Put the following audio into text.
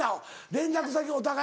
連絡先お互い。